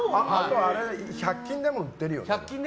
１００均でも売ってるよね。